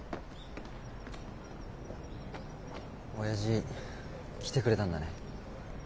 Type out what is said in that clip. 親父来てくれたんだね。